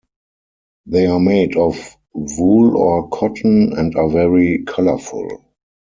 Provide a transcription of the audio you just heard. They are made of wool or cotton and are very colorful.